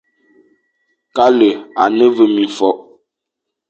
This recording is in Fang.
Kale à ne ve mimfokh,